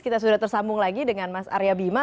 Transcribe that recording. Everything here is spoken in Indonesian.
kita sudah tersambung lagi dengan mas arya bima